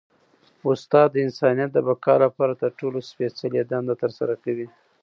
استاد د انسانیت د بقا لپاره تر ټولو سپيڅلي دنده ترسره کوي.